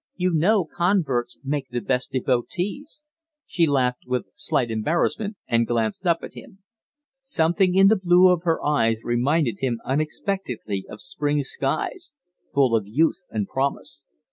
You know converts make the best devotees." She laughed with slight embarrassment, and glanced up at him. Something in the blue of her eyes reminded him unexpectedly of spring skies full of youth and promise.